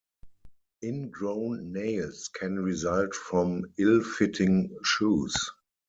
Ingrown nails can result from ill-fitting shoes.